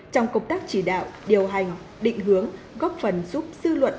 trong công tác chỉ đạo điều hành định hướng góp phần giúp dư luận